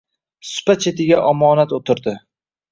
Supa chetiga omonat o`tirdi